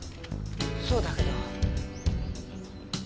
そうだけど。